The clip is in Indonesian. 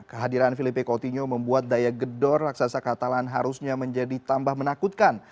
kehadiran filipe coutinho membuat daya gedor raksasa katalan harusnya menjadi tambah menakutkan